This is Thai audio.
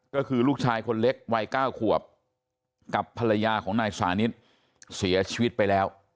ก็คือลูกชายคนเล็กวัย๙ขวบกับภรรยาของนายสานิทเสียชีวิตไปแล้ว